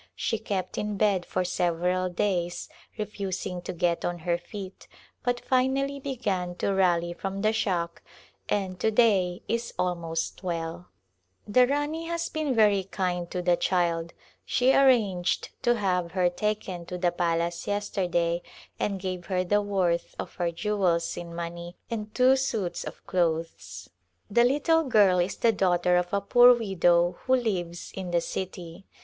She kept in bed for sev eral days, refusing to get on her feet, but finally be gan to rally from the shock and to day is almost well. Call to Rajpittana The Rani has been very kind to the child. Shear ranged to have her taken to the palace yesterday and gave her the w^orth of her jewels in money and two suits of clothes. The little girl is the daughter of a poor widow who lives in the city.